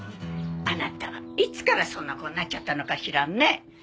あなたはいつからそんな子になっちゃったのかしらね。